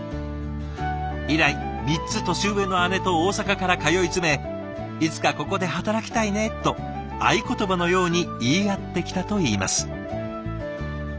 以来３つ年上の姉と大阪から通い詰め「いつかここで働きたいね」と合言葉のように言い合ってきたといいます。